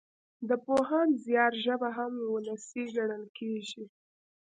د پوهاند زيار ژبه هم وولسي ګڼل کېږي.